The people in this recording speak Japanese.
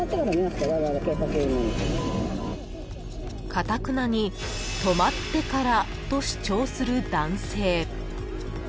［かたくなに「止まってから」と主張する男性］